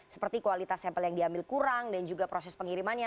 seperti kualitas sampel yang diambil kurang dan juga proses pengirimannya